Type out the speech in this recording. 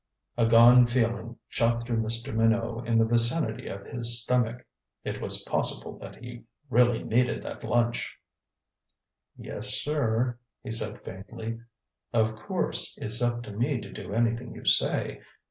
A gone feeling shot through Mr. Minot in the vicinity of his stomach. It was possible that he really needed that lunch. "Yes, sir," he said faintly. "Of course, it's up to me to do anything you say.